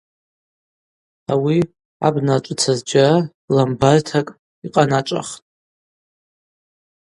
Ауи абна ачвыцӏа зджьара ламбартакӏ йкъаначӏвахтӏ.